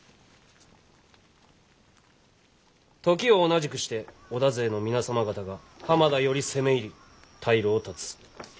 時を同じくして織田勢の皆様方が浜田より攻め入り退路を断つ。